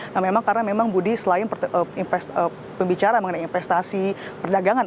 nah memang karena memang budi selain pembicaraan mengenai investasi perdagangan